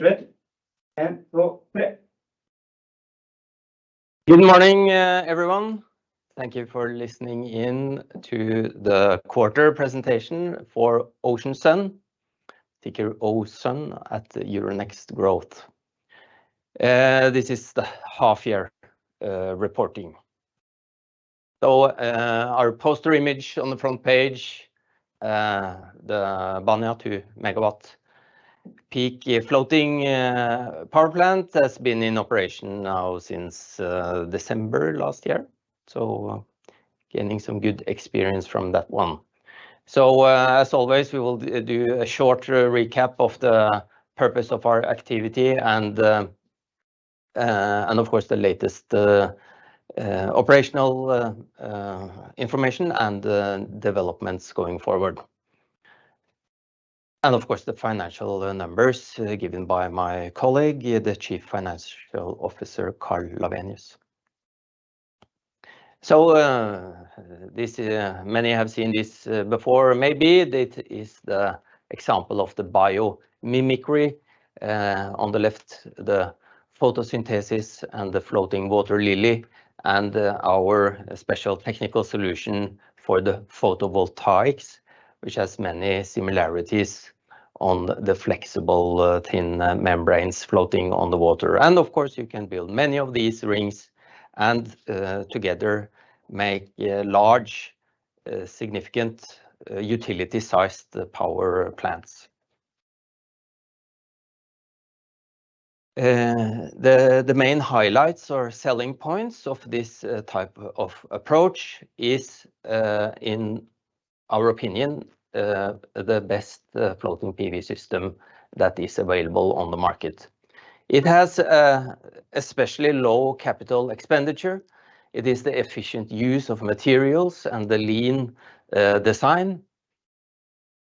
One, two, three. Good morning, everyone. Thank you for listening in to the quarter presentation for Ocean Sun. Think Ocean at your next growth. This is the half year reporting. Our poster image on the front page, the Banja 2 MWp floating power plant has been in operation now since December last year, so gaining some good experience from that one. As always, we will do a short recap of the purpose of our activity and of course, the latest operational information and developments going forward. Of course, the financial numbers given by my colleague, the Chief Financial Officer, Karl Lawenius. This many have seen this before. Maybe this is the example of the biomimicry. On the left, the photosynthesis and the floating water lily, and our special technical solution for the photovoltaics, which has many similarities on the flexible, thin membranes floating on the water. Of course, you can build many of these rings and together make large, significant utility sized power plants. The main highlights or selling points of this type of approach is, in our opinion, the best floating PV system that is available on the market. It has a especially low capital expenditure. It is the efficient use of materials and the lean design,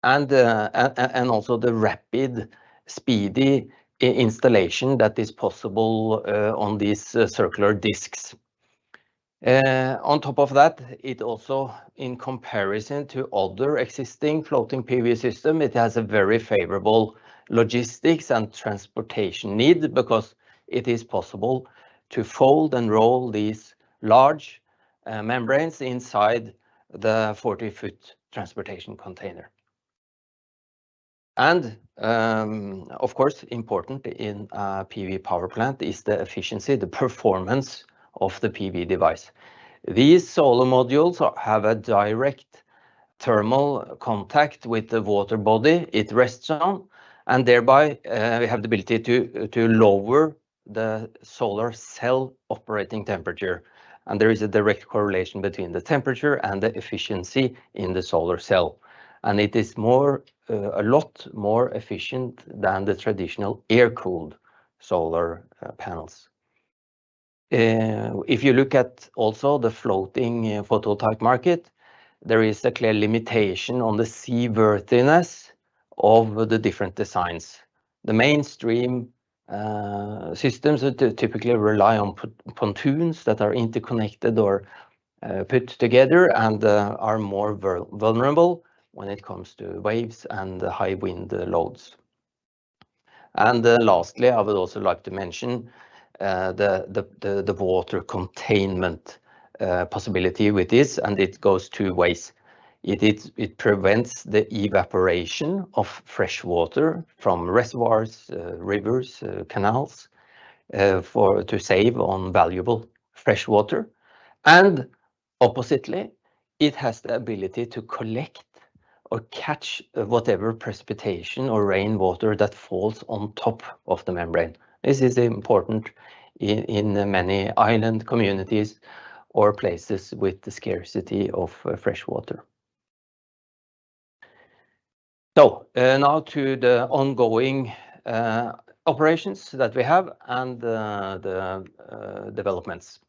and also the rapid, speedy installation that is possible on these circular discs. On top of that, it also, in comparison to other existing floating PV system, it has a very favorable logistics and transportation needs because it is possible to fold and roll these large membranes inside the 40-foot transportation container. Of course, important in PV power plant is the efficiency, the performance of the PV device. These solar modules have a direct thermal contact with the water body it rests on, and thereby, we have the ability to, to lower the solar cell operating temperature. There is a direct correlation between the temperature and the efficiency in the solar cell, and it is more, a lot more efficient than the traditional air-cooled solar panels. If you look at also the floating photovoltaic market, there is a clear limitation on the seaworthiness of the different designs. The mainstream systems typically rely on pontoons that are interconnected or put together and are more vulnerable when it comes to waves and high wind loads. Lastly, I would also like to mention the, the, the, the water containment possibility with this, and it goes two ways. It prevents the evaporation of fresh water from reservoirs, rivers, canals, for to save on valuable fresh water. Oppositely, it has the ability to collect or catch whatever precipitation or rainwater that falls on top of the membrane. This is important in, in many island communities or places with the scarcity of fresh water. Now to the ongoing operations that we have and the developments.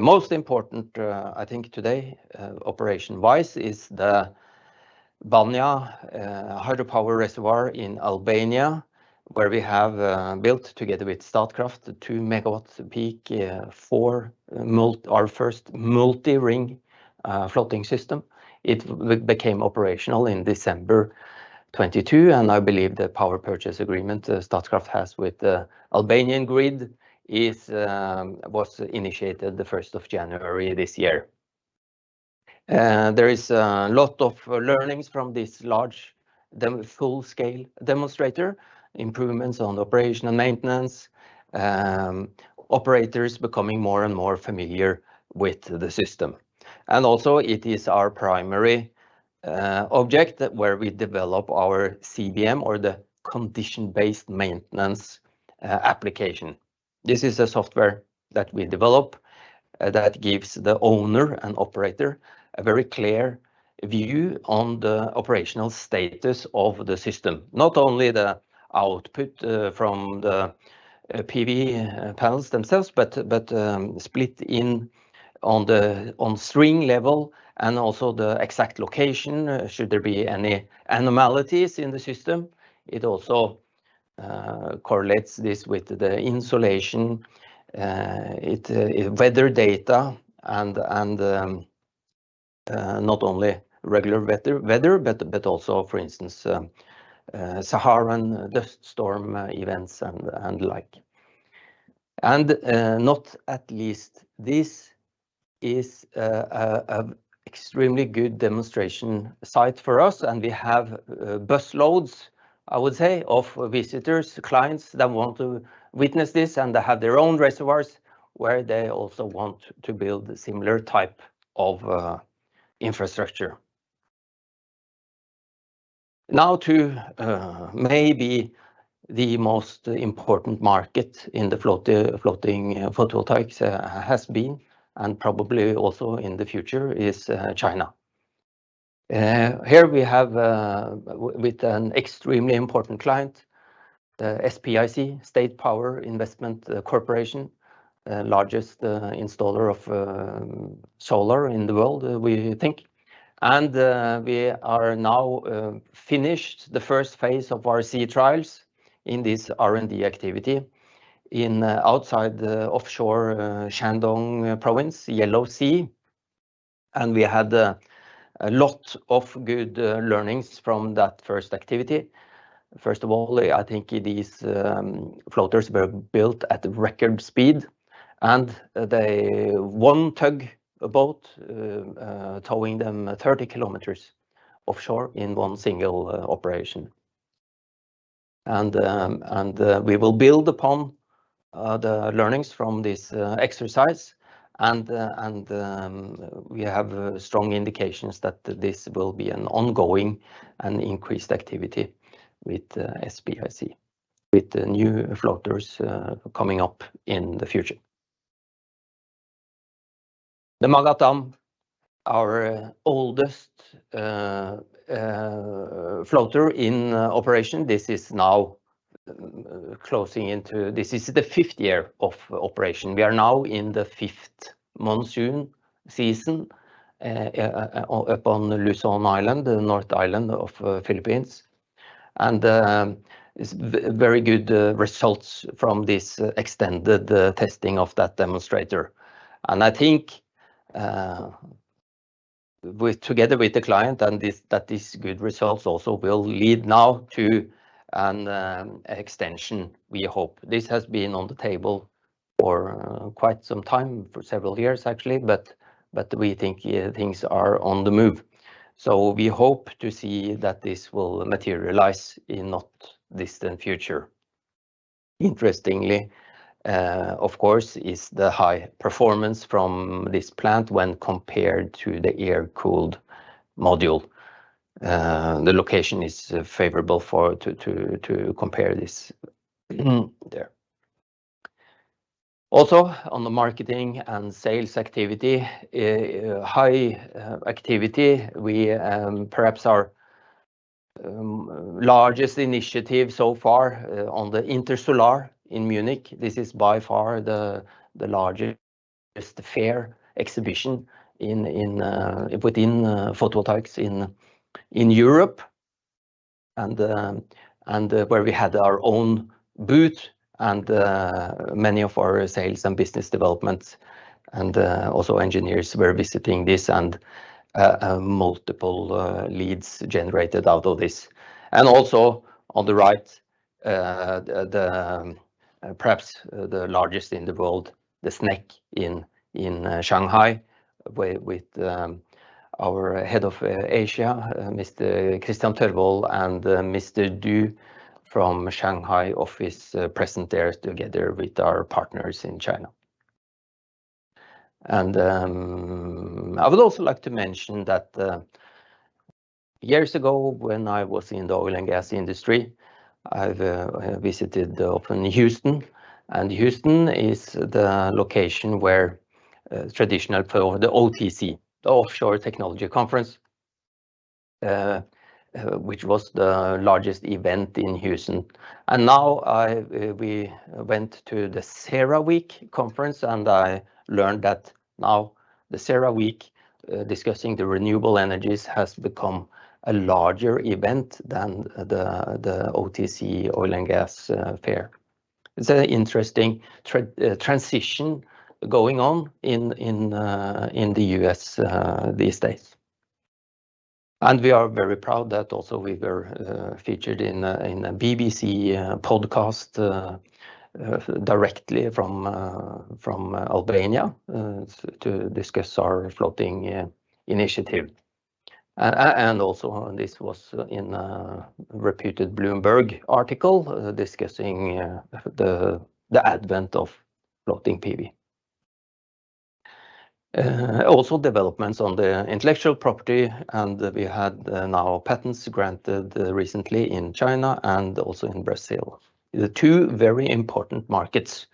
Most important, I think today, operation wise, is the Banja hydropower reservoir in Albania, where we have built together with Statkraft, 2 MWp, our first multi-ring floating system. It became operational in December 2022, I believe the power purchase agreement Statkraft has with the Albanian grid was initiated the 1st of January this year. There is a lot of learnings from this large full scale demonstrator, improvements on operational maintenance, operators becoming more and more familiar with the system. Also it is our primary object, where we develop our CBM or the condition-based maintenance application. This is a software that we develop that gives the owner and operator a very clear view on the operational status of the system. Not only the output from the PV panels themselves, but split in on the string level and also the exact location, should there be any abnormalities in the system. It also correlates this with the insulation, weather data and not only regular weather, but also, for instance, Saharan dust storm events and like. Not at least, this is an extremely good demonstration site for us, and we have busloads, I would say, of visitors, clients that want to witness this, and they have their own reservoirs, where they also want to build a similar type of infrastructure. Now to maybe the most important market in the floating, floating photovoltaics, has been, and probably also in the future is, China. Here we have, with an extremely important client, the SPIC, State Power Investment Corporation, the largest installer of solar in the world, we think. We are now finished the first phase of our sea trials in this R&D activity in outside the offshore Shandong province, Yellow Sea, and we had a lot of good learnings from that first activity. First of all, I think these floaters were built at record speed, and they one tugboat towing them 30 km offshore in one single operation. We will build upon the learnings from this exercise, and we have strong indications that this will be an ongoing and increased activity with SPIC, with the new floaters coming up in the future. The Magat, our oldest floater in operation, this is now closing into. This is the fifth year of operation. We are now in the fifth monsoon season upon Luzon Island, the north island of Philippines. It's very good results from this extended the testing of that demonstrator. I think, with together with the client and this, that is good results also will lead now to an extension, we hope. This has been on the table for quite some time, for several years, actually, but we think things are on the move. We hope to see that this will materialize in not distant future. Interestingly, of course, is the high performance from this plant when compared to the air-cooled module. The location is favorable for to compare this, there. On the marketing and sales activity, high activity, we, perhaps our largest initiative so far, on the Intersolar in Munich. This is by far the largest fair exhibition in within photovoltaics in Europe. Where we had our own booth and many of our sales and business developments and also engineers were visiting this and multiple leads generated out of this. Also on the right, the perhaps the largest in the world, the SNEC in Shanghai, with our head of Asia, Mr. Kristian Tørvold, and Du Zhongyi from Shanghai office, present there together with our partners in China. I would also like to mention that years ago, when I was in the oil and gas industry, I've visited often Houston, and Houston is the location where traditional for the OTC, the Offshore Technology Conference, which was the largest event in Houston. Now I, we went to the CERAWeek conference, and I learned that now the CERAWeek discussing the renewable energies, has become a larger event than the OTC oil and gas fair. It's an interesting transition going on in the U.S. these days. We are very proud that also we were featured in a BBC podcast directly from Albania to discuss our floating initiative. Also, this was in a reputed Bloomberg article, discussing the advent of floating PV. Also developments on the intellectual property, we had now patents granted recently in China and also in Brazil. The two very important markets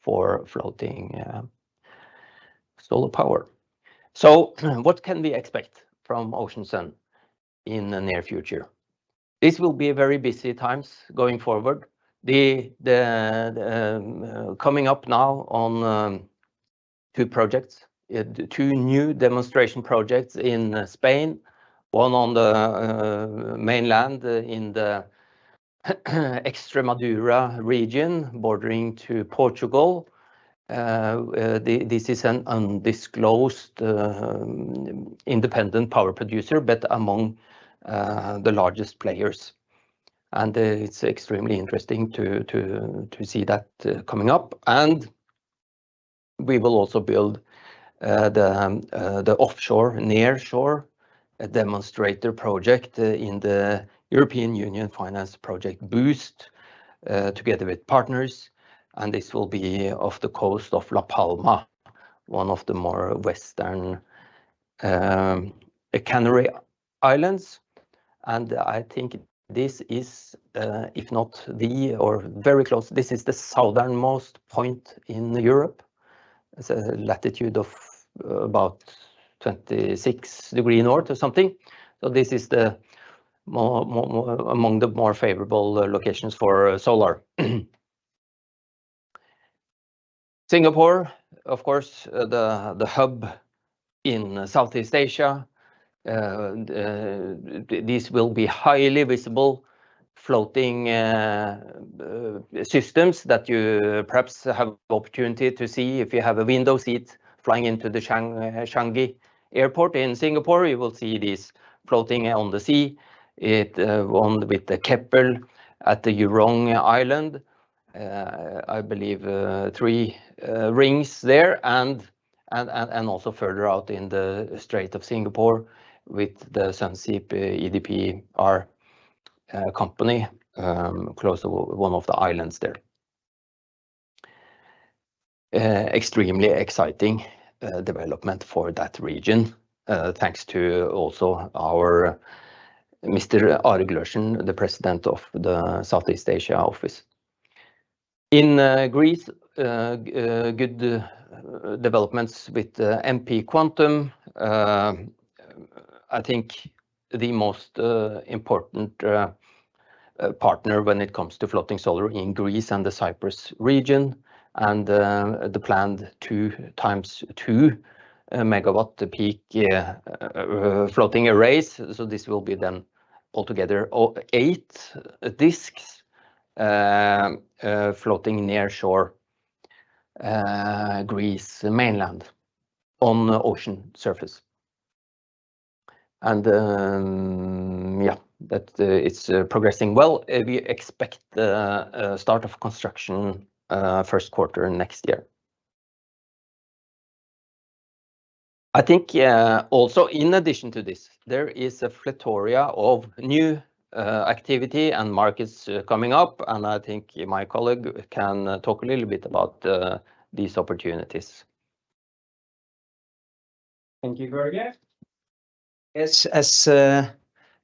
for floating solar power. What can we expect from Ocean Sun in the near future? This will be very busy times going forward. Coming up now on two projects, two new demonstration projects in Spain, one on the mainland, in the Extremadura region, bordering to Portugal. This is an undisclosed independent power producer, but among the largest players, and it's extremely interesting to see that coming up. We will also build the offshore, nearshore demonstrator project in the European Union Finance project, BOOST, together with partners, and this will be off the coast of La Palma, one of the more western Canary Islands. I think this is, if not the or very close, this is the southernmost point in Europe. It's a latitude of about 26 degree north or something. This is the more, more, more, among the more favorable locations for solar. Singapore, of course, the, the hub in Southeast Asia. This will be highly visible floating systems that you perhaps have the opportunity to see. If you have a window seat flying into the Changi Airport in Singapore, you will see this floating on the sea. It, one with the Keppel at the Jurong Island. I believe 3 rings there, and also further out in the Strait of Singapore with the Sunseap EDP, our company, close to one of the islands there. Extremely exciting development for that region, thanks to also our Mr. Ari Glerum, the President of the Southeast Asia office. In Greece, good developments with MP Quantum. I think the most important partner when it comes to floating solar in Greece and the Cyprus region, the planned 2 x 2 MWp floating arrays. This will be then altogether 8 disks floating nearshore Greece mainland, on the ocean surface. Yeah, that it's progressing well. We expect the start of construction, first quarter next year. I think, also in addition to this, there is a plethora of new activity and markets coming up. I think my colleague can talk a little bit about these opportunities. Thank you, Børge. Yes,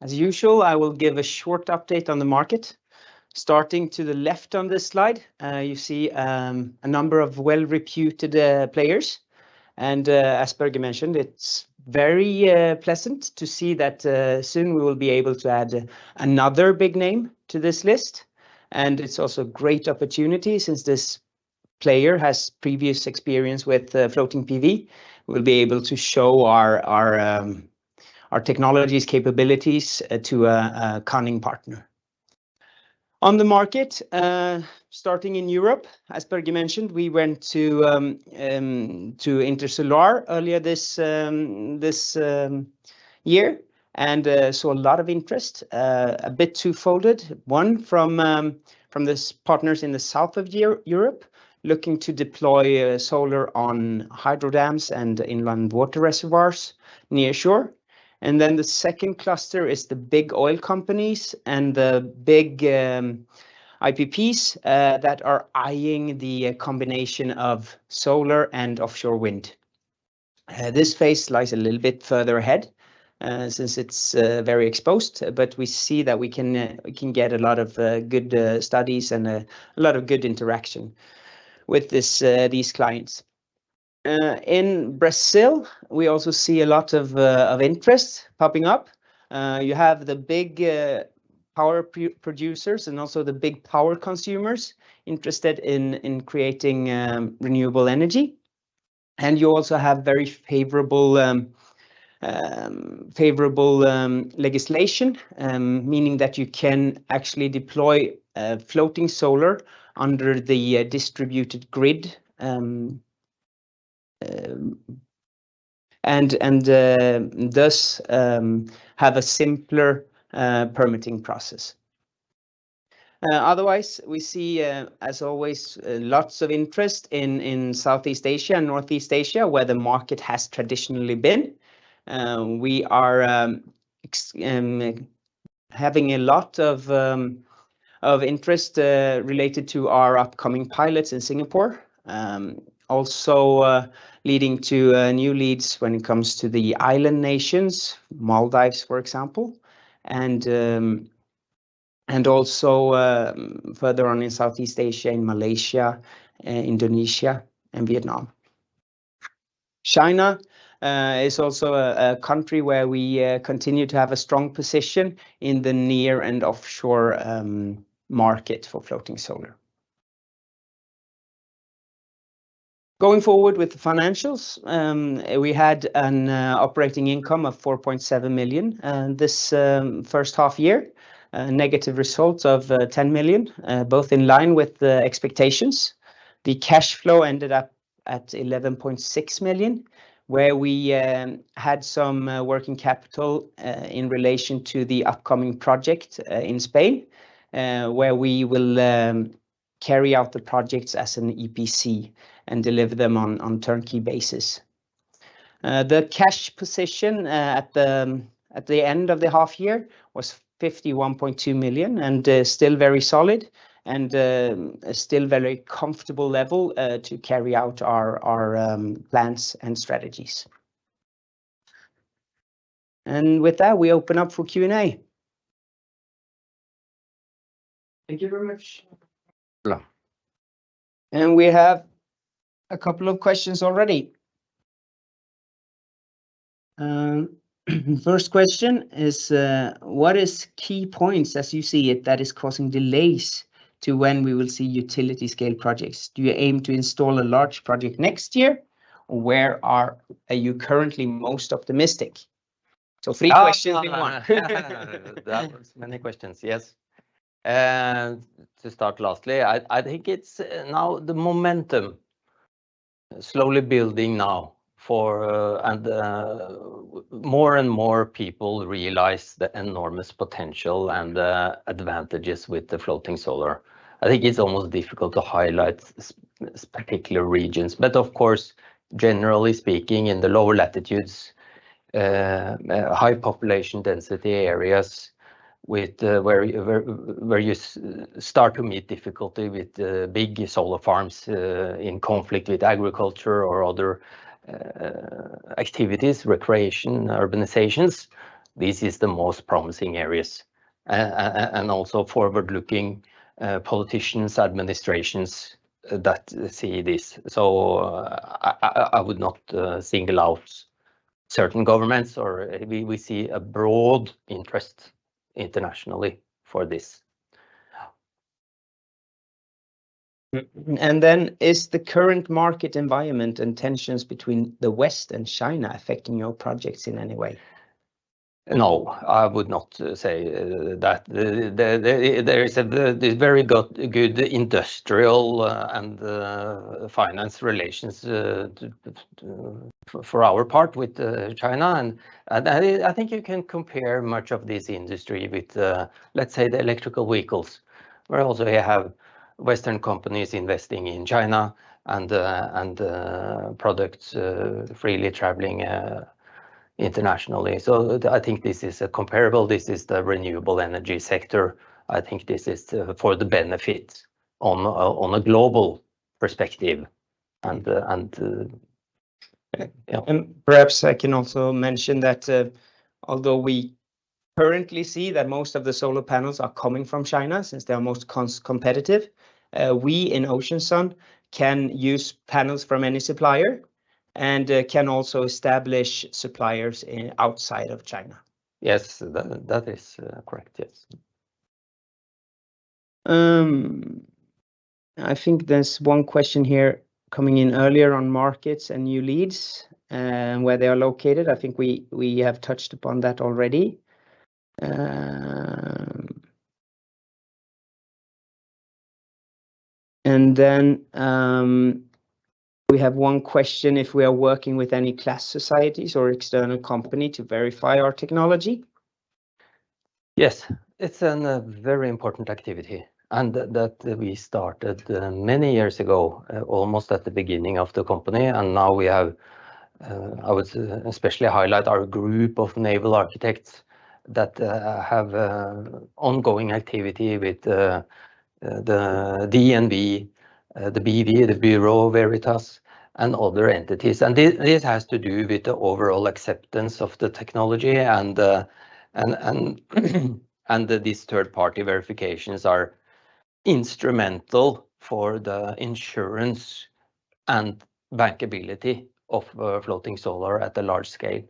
as usual, I will give a short update on the market. Starting to the left on this slide, you see a number of well-reputed players, and as Børge mentioned, it's very pleasant to see that soon we will be able to add another big name to this list, and it's also a great opportunity, since this player has previous experience with floating PV. We'll be able to show our, our technologies capabilities to a coming partner. On the market, starting in Europe, as Børge mentioned, we went to Intersolar earlier this year, and saw a lot of interest, a bit twofolded. One from, from the partners in the south of Europe, looking to deploy solar on hydro dams and inland water reservoirs nearshore. The second cluster is the big oil companies and the big IPPs that are eyeing the combination of solar and offshore wind. This phase lies a little bit further ahead, since it's very exposed, but we see that we can, we can get a lot of good studies and a lot of good interaction with this these clients. In Brazil, we also see a lot of interest popping up. You have the big power producers and also the big power consumers interested in, in creating renewable energy. You also have very favorable, favorable legislation, meaning that you can actually deploy floating solar under the distributed grid, and thus have a simpler permitting process. Otherwise, we see, as always, lots of interest in Southeast Asia and Northeast Asia, where the market has traditionally been. We are having a lot of interest related to our upcoming pilots in Singapore. Also, leading to new leads when it comes to the island nations, Maldives, for example, and also further on in Southeast Asia, in Malaysia, Indonesia, and Vietnam. China is also a country where we continue to have a strong position in the near and offshore market for floating solar. Going forward with the financials, we had an operating income of 4.7 million this first half year. Negative results of 10 million both in line with the expectations. The cash flow ended up at 11.6 million, where we had some working capital in relation to the upcoming project in Spain. Where we will carry out the projects as an EPC and deliver them on turnkey basis. The cash position at the end of the half year was 51.2 million, and still very solid, and still very comfortable level to carry out our plans and strategies. With that, we open up for Q&A. Thank you very much. We have a couple of questions already. First question is, what is key points as you see it, that is causing delays to when we will see utility scale projects? Do you aim to install a large project next year? Where are you currently most optimistic? Three questions in one. Many questions, yes. To start lastly, I, I think it's now the momentum slowly building now. More and more people realize the enormous potential and the advantages with the floating solar. I think it's almost difficult to highlight particular regions. Of course, generally speaking, in the lower latitudes, high population density areas with, where, where you start to meet difficulty with, big solar farms, in conflict with agriculture or other activities, recreation, urbanizations, this is the most promising areas. And, and also forward-looking politicians, administrations that see this. I, I, I would not single out certain governments. We, we see a broad interest internationally for this. Is the current market environment and tensions between the West and China affecting your projects in any way? No, I would not say that. There, there's very good, good industrial and finance relations for for our part with China. I think you can compare much of this industry with, let's say, the electrical vehicles. Where also you have Western companies investing in China, and and products freely traveling internationally. I think this is a comparable, this is the renewable energy sector. I think this is for the benefit on a global perspective. Perhaps I can also mention that, although we currently see that most of the solar panels are coming from China, since they are most competitive, we in Ocean Sun can use panels from any supplier, and can also establish suppliers in outside of China. Yes, that, that is correct. Yes. I think there's one question here coming in earlier on markets and new leads, and where they are located. I think we, we have touched upon that already. We have one question, if we are working with any class societies or external company to verify our technology? Yes, it's an very important activity, and that we started many years ago, almost at the beginning of the company. Now we have, I would especially highlight our group of naval architects that have ongoing activity with the DNV, the BV, the Bureau Veritas, and other entities. This, this has to do with the overall acceptance of the technology, and, and, and these third-party verifications are instrumental for the insurance and bankability of floating solar at a large scale.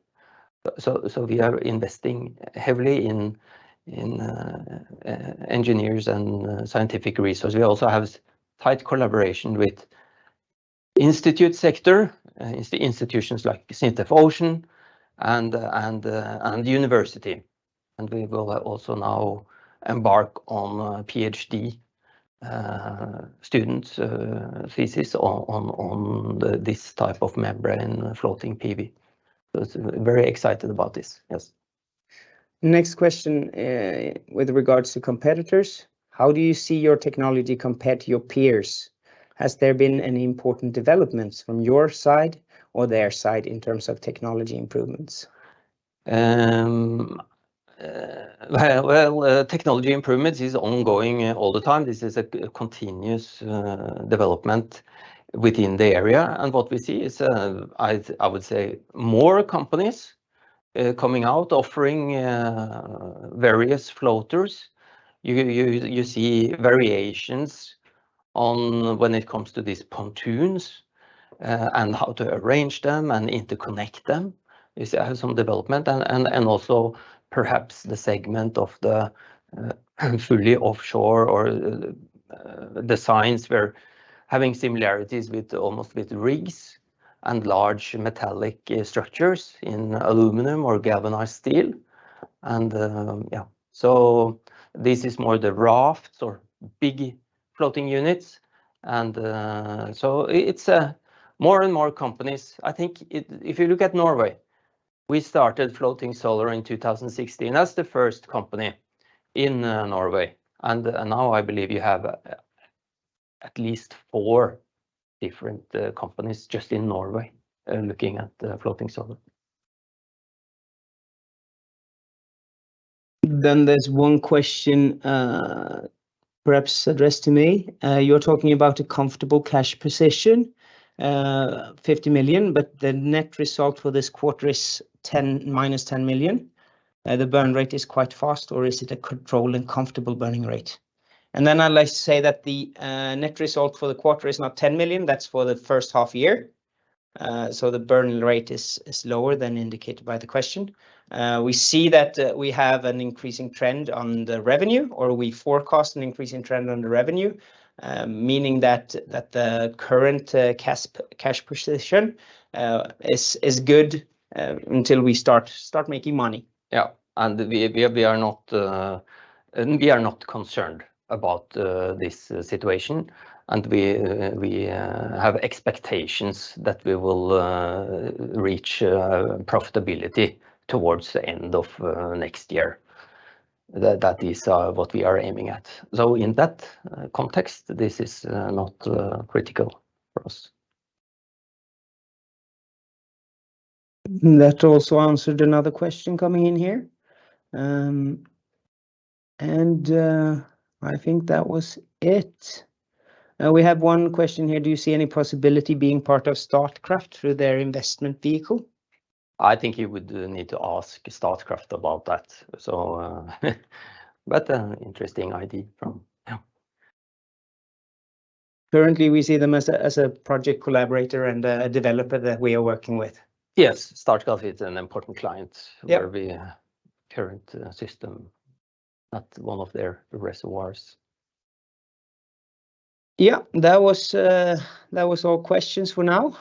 So we are investing heavily in, in engineers and scientific research. We also have tight collaboration with institute sector, institutions like SINTEF Ocean and, and university. We will also now embark on a PhD student thesis on, on, on the, this type of membrane floating PV. Very excited about this, yes. Next question, with regards to competitors: How do you see your technology compared to your peers? Has there been any important developments from your side or their side in terms of technology improvements? Well, technology improvements is ongoing all the time. This is a continuous development within the area. What we see is, I, I would say, more companies coming out, offering various floaters. You, you, you see variations on when it comes to these pontoons and how to arrange them and interconnect them. You see some development and, and, and also perhaps the segment of the fully offshore or designs, we're having similarities with almost with rigs. Large metallic structures in aluminum or galvanized steel. Yeah, so this is more the rafts or big floating units, so it's more and more companies. I think if you look at Norway, we started floating solar in 2016. That's the first company in Norway, and, and now I believe you have at least four different companies just in Norway, looking at floating solar. There's one question, perhaps addressed to me. You're talking about a comfortable cash position, $50 million, but the net result for this quarter is $10, -$10 million. The burn rate is quite fast, or is it a controlled and comfortable burning rate? I'd like to say that the net result for the quarter is not $10 million, that's for the first half year. The burning rate is lower than indicated by the question. We see that we have an increasing trend on the revenue, or we forecast an increasing trend on the revenue, meaning that the current cash position is good until we start making money. Yeah, we, we, we are not. We are not concerned about this situation. We, we have expectations that we will reach profitability towards the end of next year. That, that is what we are aiming at. In that context, this is not critical for us. That also answered another question coming in here. And, I think that was it. We have one question here: Do you see any possibility being part of Statkraft through their investment vehicle? I think you would need to ask Statkraft about that. interesting idea from... Yeah. Currently, we see them as a, as a project collaborator and a, a developer that we are working with. Yes. Statkraft is an important client- Yeah... for the current system at one of their reservoirs. Yeah, that was, that was all questions for now.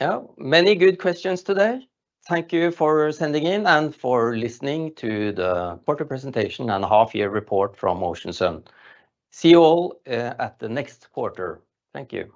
Yeah, many good questions today. Thank you for sending in and for listening to the quarter presentation and half-year report from Ocean Sun. See you all at the next quarter. Thank you.